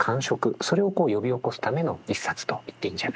それをこう呼び起こすための一冊と言っていいんじゃないでしょうか。